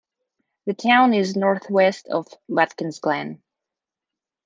The town is northwest of Watkins Glen.